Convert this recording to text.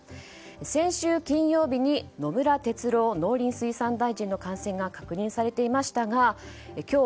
先週金曜日に野村哲郎農林水産大臣の感染が確認されていましたが今日